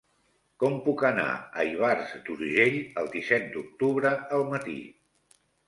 Com puc anar a Ivars d'Urgell el disset d'octubre al matí?